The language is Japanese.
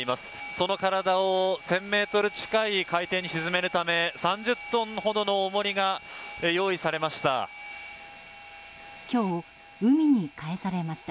その体を１０００ｍ近い海底に沈めるため３０トンほどの重りが用意されました。